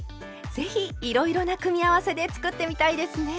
是非いろいろな組み合わせで作ってみたいですね！